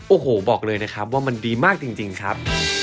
โอ้โหบอกเลยนะครับว่ามันดีมากจริงครับ